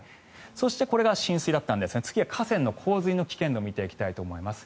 そしてこれが浸水だったんですが次は河川の洪水の危険度を見ていきたいと思います。